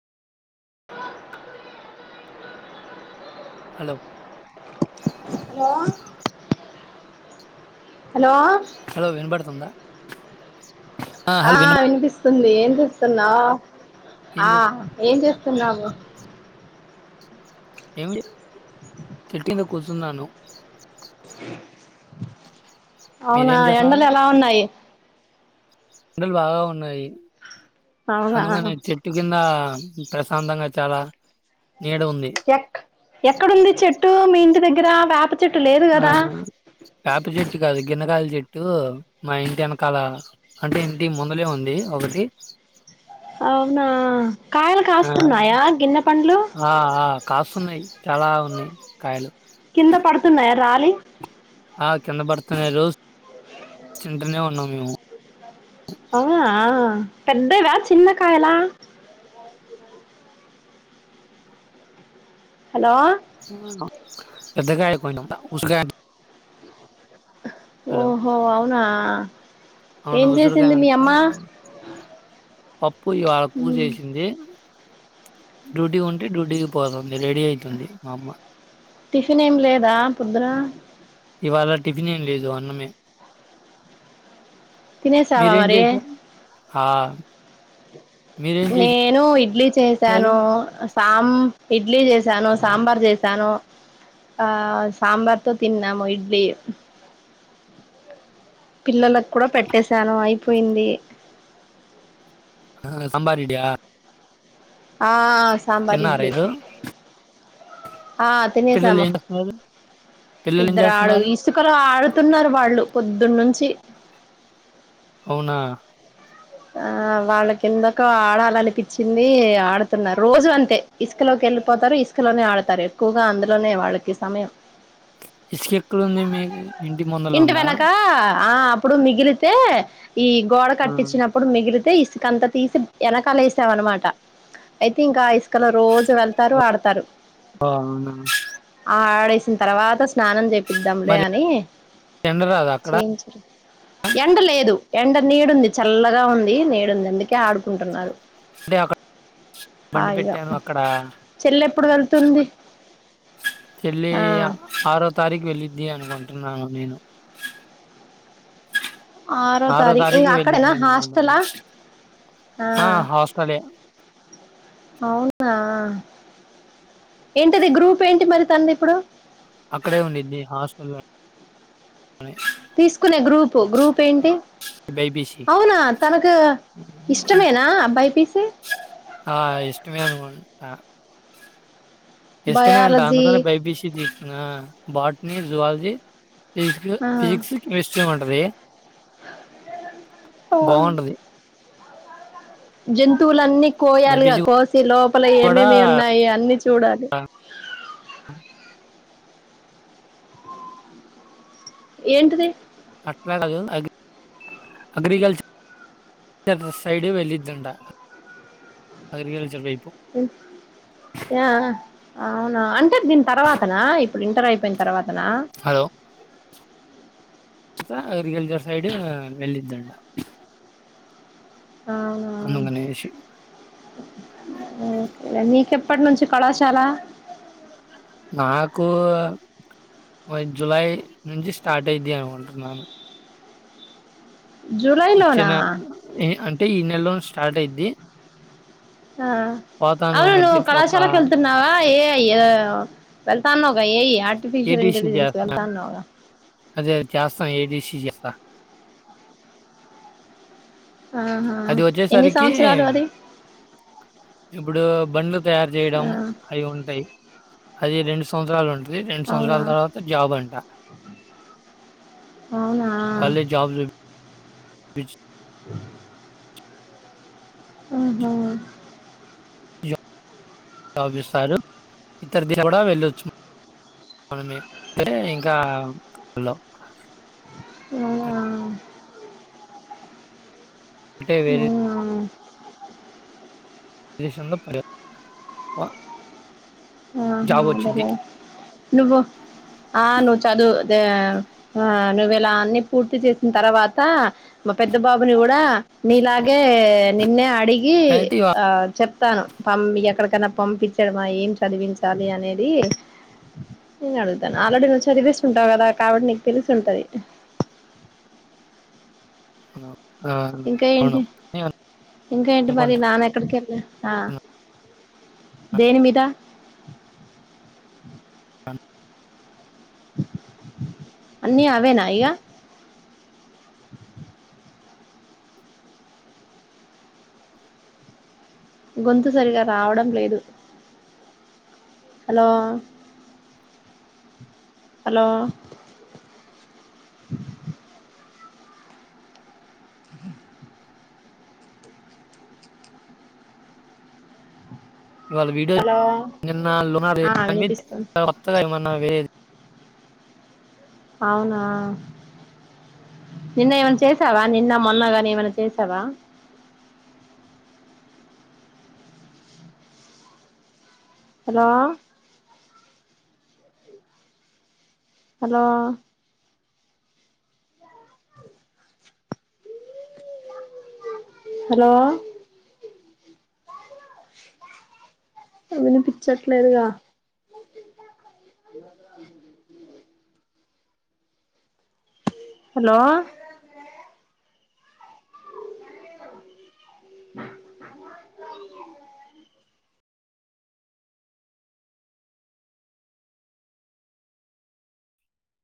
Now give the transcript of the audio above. Hello hello hello hello వినపడుతుందా ఆ వినిపిస్తుంది ఏం చేస్తున్నావ్ ఏం ఆ చే ఏం చేస్తున్నావు ఏమి తట్టింద కూర్చున్నాను అవునా మీరేం చేస్తున్నారు ఎండలు ఎలా ఉన్నాయి ఎండలు బాగా ఉన్నాయి అవునా అందుకని చెట్టు కింద ప్రశాంతంగా చాలా నీడ ఉంది ఎ ఎక్కడుంది చెట్టు మీ ఇంటి దగ్గర వేప చెట్టు లేదు ఆ కదా వేప చెట్టు కాదు గిన్నకాయల చెట్టు ఇటు మా ఇంటి వెనకాల అంటే ఇంటి ముందులే ఉంది ఒకటి అవునా కాయలు ఆ కాస్తున్నాయా గిన్నె పండ్లు ఆ కాస్తన్నాయి చాలా ఉన్నాయి కాయలు వస్తున్నాయా రాలి ఆ కింద పడుతున్నా రోజ్ తింటనే ఉన్నాం మేము అవునా పెద్దవా చిన్న కాయలా హలో పెద్దగా అయిపోయిందబ్బ [unintelligible] ఓహో అవునా అవును ఏం ఉసిరికాయ చేసింది మీ అంతా అమ్మ పప్పు ఇవాళ కూ చేసింది డ్యూటీ ఉంటే డ్యూటీకి పోతుంది రెడీ అయితుంది మా అమ్మ టిఫిన్ ఏం లేదా పొద్దున ఇవాళ టిఫిన్ ఏం లేదు అన్నమే తినేసావా మీరేం మరి చేశారు ఆ మీరేం నేను ఇడ్లీ చేశారు చేసాను సాం ఇడ్లీ చేసాను సాంబార్ చేసాను ఆ సాంబార్తో తిన్నాము ఇడ్లీ పిల్లలకు కూడా పెట్టేశాను అయిపోయింది సాంబార్ ఇడియా ఆ సాంబార్ ఇడ్లీ ఈరోజు ఆ పిల్లలు తినేసాము ఏం చేస్తున్నారు పిల్లలు ఏం ఇద్దరు ఆడు చేస్తున్నారు ఇసుకలో ఆడు తున్నారు వాళ్ళు పొద్దున్న నుంచి అవునా ఆ వాళ్ళకిిందకో ఆడాలనిపించింది ఆడుతున్నారు రోజు అంతే ఇసుకలోకే వెళ్ళిపోతారు ఇసుకలోనే ఆడతారు ఎక్కువగా అందులోనే వాళ్ళకి సమయం ఇసుక ఎక్కడ ఉంది మీకు ఇంటి ముందల ఉందా ఆ అప్పుడు మిగిలితే ఈ గోడ ఆ, కట్టించినప్ మిగిలితే ఇసుకంత తీసి వెనకాల వేసావనమాట అయితే ఇంకా ఇస్ వెనకాల రోజు వెళ్తారు ఓ ఆడతారు అవునా ఆడేసిన తర్వాత స్నానం చేపిద్దాం లే మరి అని ఎండ రాదు అక్కడ చేయించ ఎండ లేదు ఎండ నీడుంది చల్లగా ఉంది నీడుంది అందుకే ఆడుకుంటున్నారు అంటే అక్కడ బండి అయ్యా పెట్టాను అక్కడ చెల్ల ఎప్పుడు వెళ్తుంది చెళ్లి ఆ ఆరో తారీఖు వెళ్ళిద్ది అనుకుంటున్నాను నేను ఆరో ఇంక తారీఖు అక్కడేనా వెళ్ళింది అనుకున్నను హాస్టలా ఆ హాస్టలే అవునా ఏంటది గ్రూప్ ఏంటి మరి తన ఇప్పుడు అక్కడే ఉండిద్ది హాస్టల్ తీసుకునే గ్రూపు గ్రూప్ ఏంటి బైపీసీ అవునా తనకు ఇష్టమేనా అ బైపిసి ఆ! ఇష్టమే అనుకుంటా. ఇష్టమే అంట అందు బయాలజీ కనే భైపిసి ఆ బాట్నీ జువాలజీ ఫిజిక్స్ ఆ ఫిజిక్స్ కెమిస్ట్రీ ఉంటది బాగుంటది జంతువు అన్నీ కోయాలిగా బైపీసీ కోసి లోపల కూడా ఏమేమి ఉన్నాయి అన్ని చూడాలి ఏంటిది అట్న అలాగే ఉంది అగి అగ్రికల్చర్ సైడ్ వెళ్ళిద్దంటా అగ్రికల్చర్ పైపు ఆ అవునా అంటే దీని తర్వాతనా ఇప్పుడు ఇంటర్ అయిపోయిన తర్వాతనా అ అగ్రికల్చర్ సైడ్ వెళ్లిదంట అవున ఒకేలే మీకెప్ ఏప్పటి నుంచి కళాశాల నాకు జులై నుంచి స్టార్ట్ అయిది అనుకుంటున్నాను జూలైలోనా వచ్చిన అంటే ఈ నెలలో స్టార్ట్ అయిది ఆ అవును నువ్ ఒక కళాశాల కేళ్తున్నవా వెళ్తన్నవ్గ ఏయి య ఏడీసీ చేస్తున్న అదే చేస్తాను ఏడిసి స్త ఆహా అది ఎన్ని వచ్చేసరికి సంవత్సరాలు అది ఇప్పుడు బండ్లు తయారు చేయడం ఆ అవి ఉంటాయి అది రెండు సంవత్సరాలు ఉంటది రెండు అవునా సంవత్సరాల తర్వాత జాబ్ అంట అవునా విజ్ అ ఆహ జాబ్ ఇస్తారు ఇతరు దిల కూడా వెళ్ళొచ్చు అయితే ఇంకా లో లేయవ అంటే వె అవునా దేశంలో ప ఆహా అదలే ఆ నువ్వు చదువు ద ఆ నువ్వు ఇలా అన్ని పూర్తి చేసిన తర్వాత మా పెద్ద బాబుని కూడా నీలాగే నిన్నే అడిగి అయితే ఇవా ఆ చెప్తాను పంపి ఎక్కడికన్నా పంపించాడు మా ఏం చదివించాలి అనేది నేను అడుగుతాను ఆల్రెడీ నువ్వు చదివేస్తుంటావు కదా కాబట్టి నీకు తెలిసి ఉంటది నాక్ ఇంకా ఏంటి ఇంకా ఏంటి మరి అనుకుంటున్నాను. నానెక్కడికి ఆ దేని మీద అన్నీ అవేనా ఇగ గొంతు సరిగా రావడం లేదు హలో హలో ఇవాళ వీడియో హలో ఇన్నాళ్లు ఆ అదెందీ వినిపిస్తుంది వత్తద ఏమన్న వేరే అవునా నిన్న ఏమన్నా చేసావా నిన్న మొన్నగాని ఏమన్నా చేసావా హలో హలో హలో వినిపించట్లేదుగా హలో